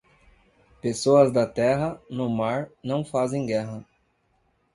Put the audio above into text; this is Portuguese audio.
Pessoas da terra, no mar, não fazem guerra.